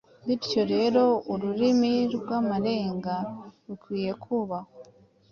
Bityo rero Ururimi rw’Amarenga rukwiye kubahwa